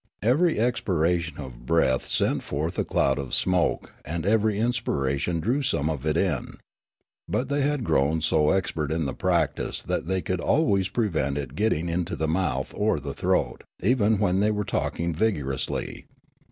Every ex piration of breath sent forth a cloud of smoke and every inspiration drew some of it in ; but they had grown so expert in the practice that they could always prevent it getting into the mouth or the throat, even when they were talking vigorously.